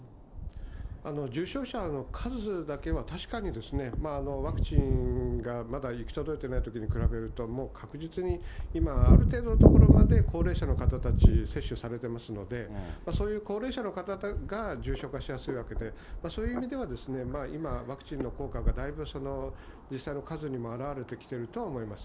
重症者の数だけは確かに、ワクチンがまだ行き届いてないときに比べると、もう確実に今、ある程度のところまで、高齢者の方たち、接種されてますので、そういう高齢者の方が重症化しやすいわけで、そういう意味では、今、ワクチンの効果がだいぶ、実際の数にも現れてきていると思います。